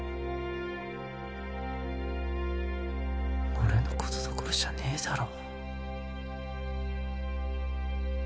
俺のことどころじゃねえだろ